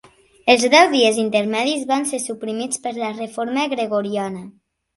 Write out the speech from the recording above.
Els deu dies intermedis van ser suprimits per la Reforma Gregoriana.